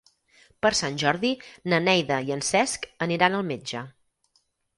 Per Sant Jordi na Neida i en Cesc aniran al metge.